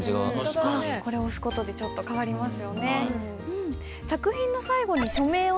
これを押す事でちょっと変わりますよね。